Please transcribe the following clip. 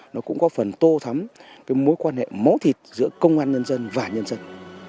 nó cũng có phần tô thắm cái mối quan hệ máu thịt giữa công an nhân dân và nhân dân